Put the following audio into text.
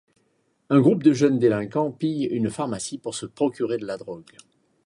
Un groupe de jeunes délinquants pille une pharmacie pour se procurer de la drogue.